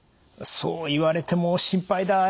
そう言われても心配だ